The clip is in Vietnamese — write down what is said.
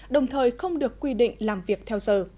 đồng thời không được quy định làm việc theo giờ